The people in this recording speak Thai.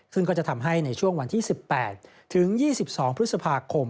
ซึ่งก็จะทำให้ในช่วงวันที่๑๘ถึง๒๒พฤษภาคม